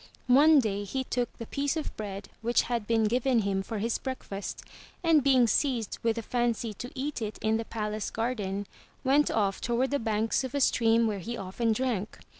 One day he took the piece of bread which had been given him for his breakfast, and being seized with the fancy to eat it in the palace garden, went off toward the banks of a stream where he often drank.